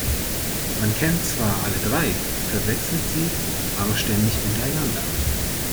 Man kennt zwar alle drei, verwechselt sie aber ständig untereinander.